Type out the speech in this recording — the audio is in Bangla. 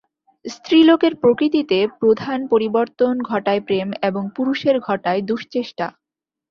স্ত্রীলোকের প্রকৃতিতে প্রধান পরিবর্তন ঘটায় প্রেম, এবং পুরুষের ঘটায় দুশ্চেষ্টা।